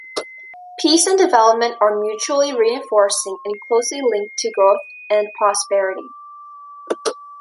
Peace and development are mutually reinforcing and closely linked to growth and prosperity.